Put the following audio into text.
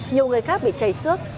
nhiều người khác bị cháy xước